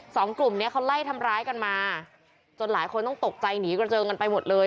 สองกลุ่มเนี้ยเขาไล่ทำร้ายกันมาจนหลายคนต้องตกใจหนีกระเจิงกันไปหมดเลย